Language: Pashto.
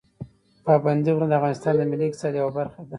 پابندي غرونه د افغانستان د ملي اقتصاد یوه برخه ده.